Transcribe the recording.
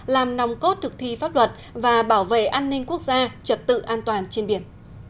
làm nòng cốt thực thi pháp luật và bảo vệ an ninh quốc gia trật tự an toàn trên biển